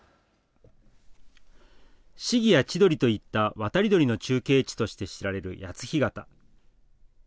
シギやチドリといった渡り鳥の中継地として知られる谷津干潟。